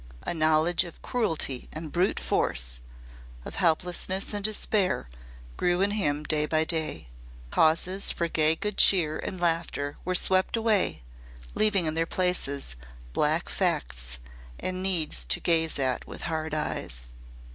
A knowledge of cruelty and brutal force, of helplessness and despair, grew in him day by day. Causes for gay good cheer and laughter were swept away, leaving in their places black facts and needs to gaze at with hard eyes.